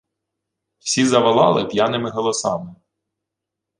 Всі заволали п'яними голосами: